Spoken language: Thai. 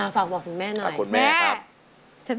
ฝากบอกสินแม่หน่อยแม่สุดท้าย